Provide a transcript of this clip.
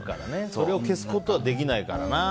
それを消すことはできないからな。